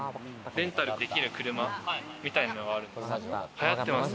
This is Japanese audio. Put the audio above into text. レンタルできる車みたいのがあるんです。